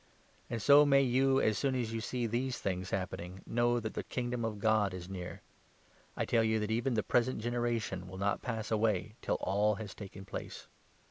And so 31 may you, as soon as you see these things happening, know that the Kingdom of God is near. I tell you that even 32 the present generation will not pass away till all has taken place.